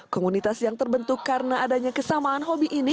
komunitas yang terbentuk karena adanya kesamaan hobi ini